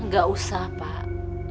gak usah pak